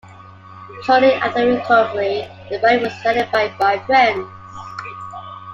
Shortly after the recovery, the body was identified by friends.